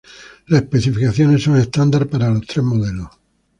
Las especificaciones son estándar para los tres modelos.